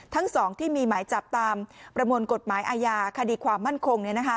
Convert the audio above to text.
ทั้งสองที่มีหมายจับตามประมวลกฎหมายอาญาคดีความมั่นคง